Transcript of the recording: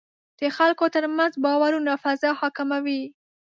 د خلکو ترمنځ باورونو فضا حاکمه وي.